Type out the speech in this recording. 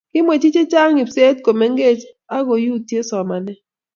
kimwechi che chang' ibset ko mengech aku yutie somanet